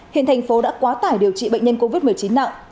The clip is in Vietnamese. hiện thành phố đã quá tải điều trị bệnh nhân covid một mươi chín nặng